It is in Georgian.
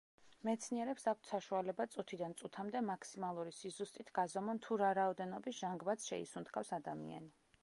მეცნიერებს აქვთ საშუალება წუთიდან წუთამდე მაქსიმალური სიზუსტით გაზომონ, თუ რა რაოდენობის ჟანგბადს შეისუნთქავს ადამიანი.